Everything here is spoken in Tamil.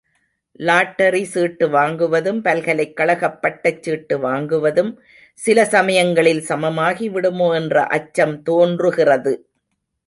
லாட்டரி சீட்டு வாங்குவதும் பல்கலைக் கழகப் பட்டச் சீட்டு வாங்குவதும் சில சமயங்களில் சமமாகிவிடுமோ என்ற அச்சம் தோன்றுகிறது.